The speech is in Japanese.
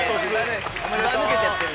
ずばぬけちゃってる。